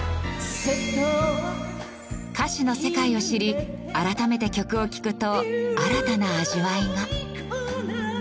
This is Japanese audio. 歌詞の世界を知り改めて曲を聴くと新たな味わいが。